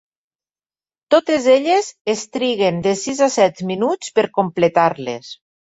Totes elles es triguen de sis a set minuts per completar-les.